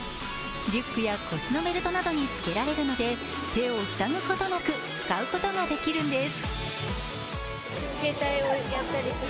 リュックや腰のベルトなどにつけられるので、手を塞ぐことなく使うことができるんです。